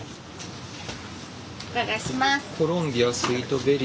お伺いします。